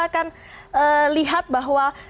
akan lihat bahwa